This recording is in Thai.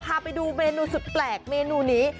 พาไปดูเมนูสุดแปลกเมนูนี้